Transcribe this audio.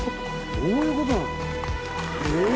どういうことなの？